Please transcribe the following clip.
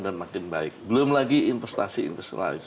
dan makin baik belum lagi investasi investasi